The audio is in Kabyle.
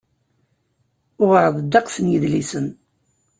Uɣeɣ-d ddeqs n yidlisen.